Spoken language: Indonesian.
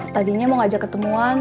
tadinya mau ngajak ketemuan